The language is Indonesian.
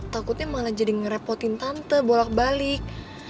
takutnya malah jadi ngerepotin tante bolak balik